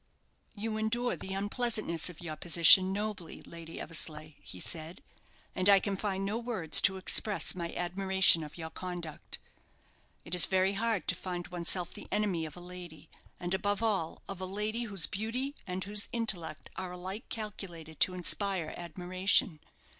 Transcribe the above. "You endure the unpleasantness of your position nobly, Lady Eversleigh," he said; "and I can find no words to express my admiration of your conduct. It is very hard to find oneself the enemy of a lady, and, above all, of a lady whose beauty and whose intellect are alike calculated to inspire admiration.